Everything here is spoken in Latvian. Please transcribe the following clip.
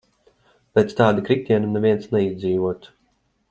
Pēc tāda kritiena neviens neizdzīvotu.